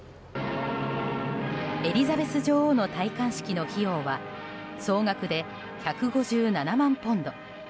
エリザベス女王の戴冠式の費用は総額で１５７万ポンド。